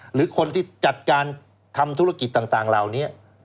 หรือคนที่จัดการทำธุรกิจต่างเหล่านี้